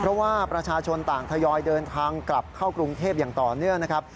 เพราะว่าประชาชนต่างทยอยเดินทางกลับเข้ากรุงเทพอย่างต่อเนื่องนะครับ